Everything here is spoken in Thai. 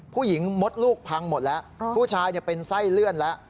มดลูกพังหมดแล้วผู้ชายเป็นไส้เลื่อนแล้ว